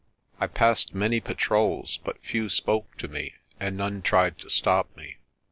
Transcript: I passed many patrols but few spoke to me, and none tried to stop me.